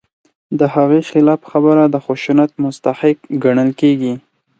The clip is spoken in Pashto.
د هغې خلاف خبره د خشونت مستحق ګڼل کېږي.